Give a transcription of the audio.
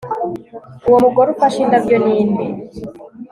uwo mugore ufashe indabyo ninde